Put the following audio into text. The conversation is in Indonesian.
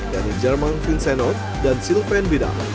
yang di jerman vincent oud dan sylvain bidal